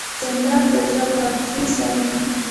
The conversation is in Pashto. جانداد د زړه پاکي ساتي.